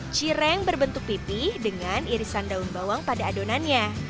cireng berbentuk pipih dengan irisan daun bawang pada adonannya